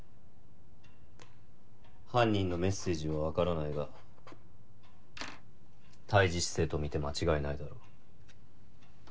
犯人のメッセージは分からないが「胎児姿勢」とみて間違いないだろう。